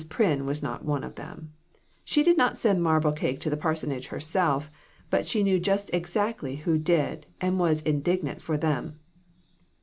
Pryn was not one of them ; she did not send marble cake to the par sonage herself, but she knew just exactly who did, and was indignant for them.